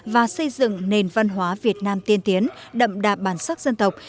và xây dựng nền văn hóa việt nam tiên tiến đậm đạp bản sắc dân tộc